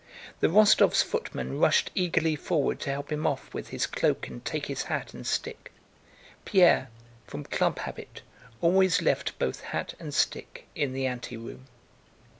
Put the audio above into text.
The Rostóvs' footman rushed eagerly forward to help him off with his cloak and take his hat and stick. Pierre, from club habit, always left both hat and stick in the anteroom.